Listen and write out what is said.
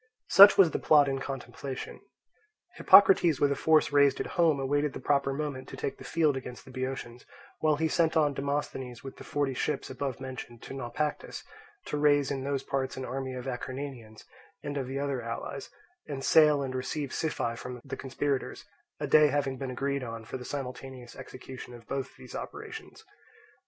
Such was the plot in contemplation. Hippocrates with a force raised at home awaited the proper moment to take the field against the Boeotians; while he sent on Demosthenes with the forty ships above mentioned to Naupactus, to raise in those parts an army of Acarnanians and of the other allies, and sail and receive Siphae from the conspirators; a day having been agreed on for the simultaneous execution of both these operations.